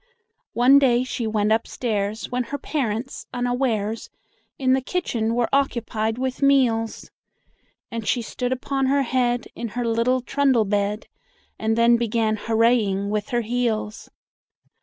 One day she went upstairs, When her parents, unawares, In the kitchen were occupied with meals, And she stood upon her head In her little trundle bed, And then began hooraying with her heels.